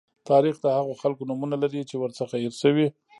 تاریخ د هغو خلکو نومونه لري چې ورڅخه هېر شوي.